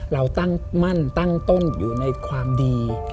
เราตั้งมั่นตั้งต้นอยู่ในความดี